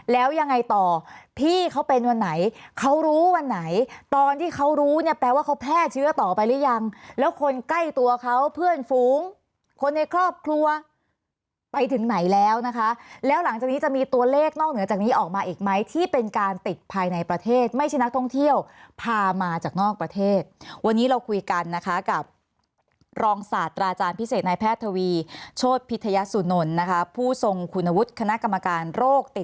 แล้วยังไงต่อที่เขาเป็นวันไหนเขารู้วันไหนตอนที่เขารู้เนี่ยแปลว่าเขาแพทย์เชื้อต่อไปหรือยังแล้วคนใกล้ตัวเขาเพื่อนฟู๊งคนในครอบครัวไปถึงไหนแล้วนะคะแล้วหลังจากนี้จะมีตัวเลขนอกเหนือจากนี้ออกมาอีกไหมที่เป็นการติดภายในประเทศไม่ใช่นักท่องเที่ยวพามาจากนอกประเทศวันนี้เราคุยกันนะคะกับรองศาสตราจาร